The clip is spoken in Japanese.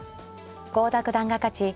郷田九段が勝ち